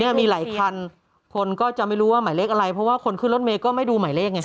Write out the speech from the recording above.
มีหลายคันคนก็จะไม่รู้ว่าหมายเลขอะไรเพราะว่าคนขึ้นรถเมย์ก็ไม่ดูหมายเลขไง